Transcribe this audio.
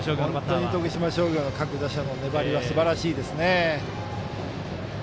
本当に徳島商業の各打者の粘りはすばらしいですね。